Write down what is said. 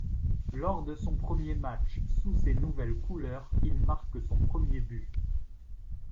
Lors de son premier match sous ses nouvelles couleurs il marque son premier but.